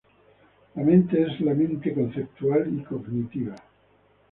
La mente es la mente conceptual y cognitiva.